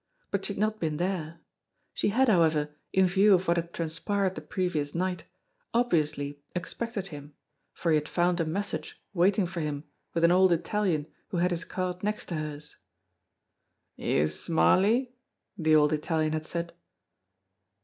But she had not been there. She had, however, in view of what had transpired the previous night, obviously expected him, for he had found a message Avaiting for him with an old Italian who had his cart next to hers. "You Smarly?" the old Italian had said.